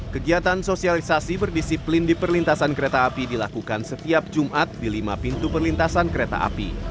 kegiatan sosialisasi berdisiplin di perlintasan kereta api dilakukan setiap jumat di lima pintu perlintasan kereta api